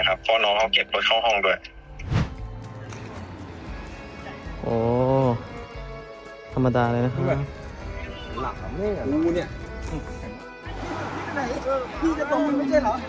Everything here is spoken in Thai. โหธรรมดาเลยนะครับ